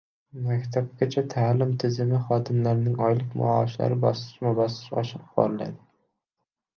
Maktabgacha ta’lim tizimi xodimlarining oylik maoshlari bosqichma-bosqich oshirib boriladi.